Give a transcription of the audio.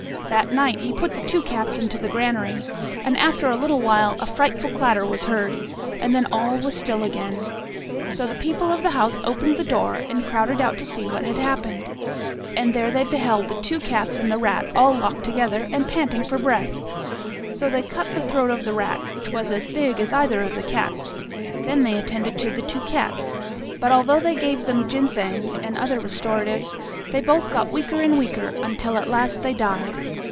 That night he put the two cats into the granary; and after a little while, a frightful clatter was heard, and then all was still again; so the people of the house opened the door, and crowded out to see what had happened; and there they beheld the two cats and the rat all locked together, and panting for breath; so they cut the throat of the rat, which was as big as either of the cats: then they attended to the two cats; but, although they gave them ginseng and other restoratives, they both got weaker and weaker, until at last they died.